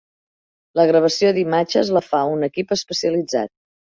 La gravació d'imatges la fa un equip especialitzat.